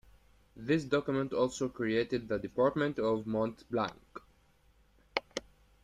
This document also created the department of Mont-Blanc.